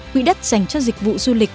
quỹ đất dành cho dịch vụ du lịch